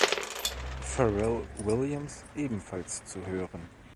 Pharrell Williams ebenfalls zu hören.